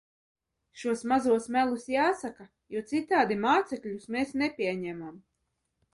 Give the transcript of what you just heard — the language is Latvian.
Šos mazos melus jāsaka, jo citādi mācekļus mēs nepieņemam.